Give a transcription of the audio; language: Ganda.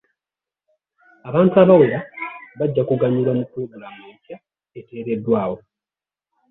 Abantu abawera bajja kuganyulwa mu pulogulaamu empya eteereddwawo.